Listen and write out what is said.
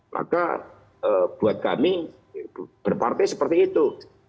maka buat kami berpartai seperti itu